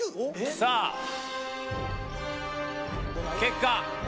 さぁ結果。